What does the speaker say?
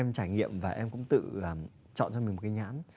em trải nghiệm và em cũng tự chọn ra mình một cái nhãn